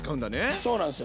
そうなんすよ。